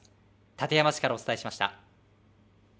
館山市からお伝えしました。